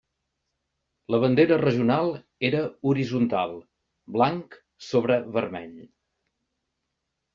La bandera regional era horitzontal, blanc sobre vermell.